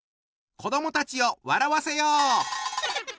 子どもたちを笑わせよう！